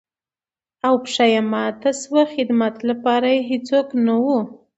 او پښه يې ماته شوه ،خدمت لپاره يې هېڅوک نه وو.